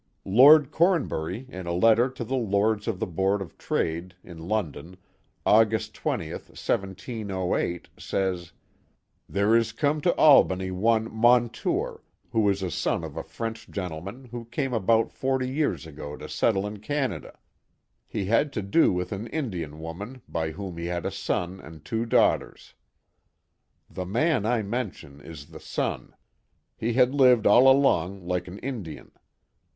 Lord Cornbury, in a letter to the Lords of the Board of Trade (in London) August 20, 1708, says: There is come to Albany one Montour, who is a son of a French gentleman who came about forty years ago to settle in Canada. He had to do wilh an Indian woman, by whoin he had a son and two daughters. The man I mention is the son. He had lived all along like an Indian.